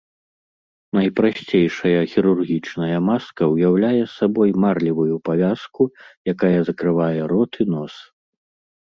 Найпрасцейшая хірургічная маска ўяўляе сабой марлевую павязку, якая закрывае рот і нос.